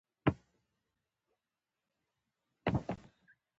علم د انسان ستره وسيله ده.